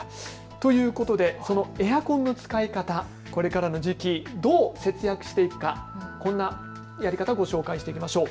ということでそのエアコンの使い方、これからの時期、どう節約していくかこんなやり方をご紹介しておきましょう。